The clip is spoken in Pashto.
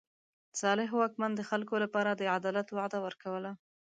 صالح واکمن د خلکو لپاره د عدالت وعده ورکوله.